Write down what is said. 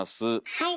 はい。